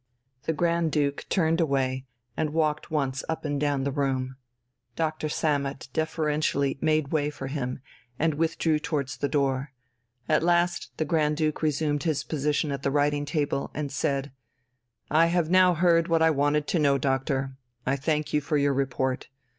The Grand Duke turned away, and walked once up and down the room. Dr. Sammet deferentially made way for him, and withdrew towards the door. At last the Grand Duke resumed his position at the writing table and said: "I have now heard what I wanted to know, doctor; I thank you for your report.